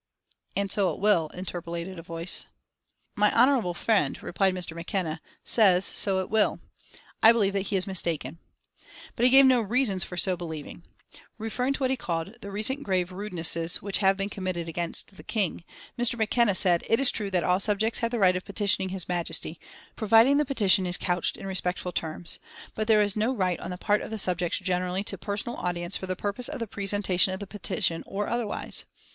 "And so it will," interpolated a voice. "My honourable friend," replied Mr. McKenna, "says so it will. I believe that he is mistaken." But he gave no reasons for so believing. Referring to what he called the "recent grave rudenesses which have been committed against the King," Mr. McKenna said: "It is true that all subjects have the right of petitioning His Majesty, providing the petition is couched in respectful terms, but there is no right on the part of the subjects generally to personal audience for the purpose of the presentation of the petition or otherwise.